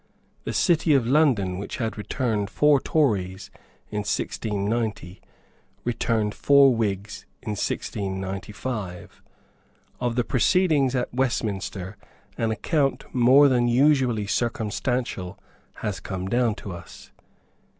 The City of London, which had returned four Tories in 1690, returned four Whigs in 1695. Of the proceedings at Westminster an account more than usually circumstantial has come down to us.